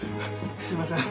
すいません。